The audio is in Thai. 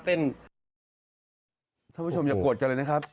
ทุกผู้ชมอย่ากดแต่เลยนะครับ